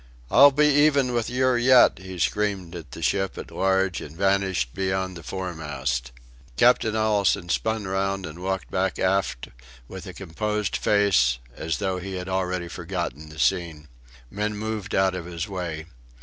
"I'll be even with yer yet," he screamed at the ship at large and vanished beyond the foremast. Captain Allistoun spun round and walked back aft with a composed face, as though he had already forgotten the scene. Men moved out of his way.